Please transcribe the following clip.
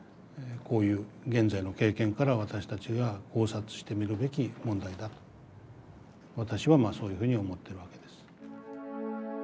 こういう現在の経験から私たちが考察してみるべき問題だと私はそういうふうに思ってるわけです。